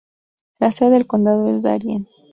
La sede del condado es Darien.